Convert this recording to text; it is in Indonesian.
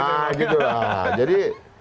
nah gitu lah jadi